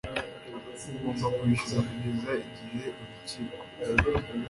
w ugomba kwishyura kugeza igihe urukiko